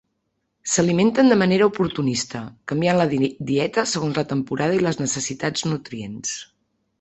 S'alimenten de manera oportunista, canviant la dieta segons la temporada i les necessitats de nutrients.